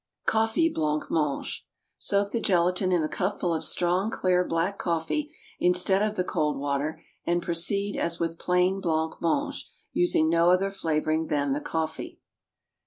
Coffee Blanc mange. Soak the gelatine in a cupful of strong, clear black coffee, instead of the cold water, and proceed as with plain blanc mange, using no other flavoring than the coffee.